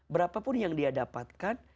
berapapun yang dia dapatkan